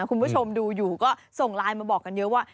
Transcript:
คุณผู้ชมดูอยู่ก็ส่งไลน์มาบอกกันเยอะว่า